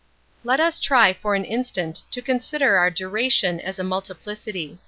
Let us try for an instant to consider our duration as a multiplicity.